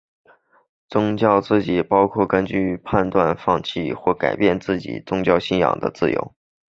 宗教自由也包括根据自己的判断放弃或改变自己的宗教信仰的自由。